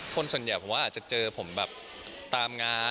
คนส่วนใหญ่ผมว่าอาจจะเจอผมแบบตามงาน